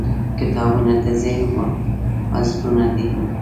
• کتابونه د ذهن وزرونه دي.